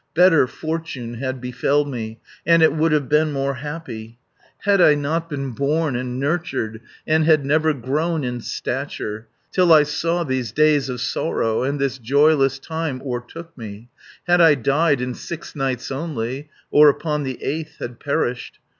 "Better fortune had befel me, And it would have been more happy. Had I not been born and nurtured, And had never grown in stature, 220 Till I saw these days of sorrow, And this joyless time o'ertook me, Had I died in six nights only, Or upon the eighth had perished.